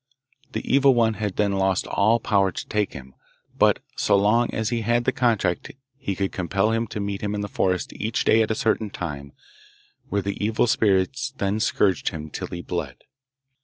The Evil One had then lost all power to take him, but so long as he had the contract he could compel him to meet him in the forest each day at a certain time, where the evil spirits then scourged him till he bled.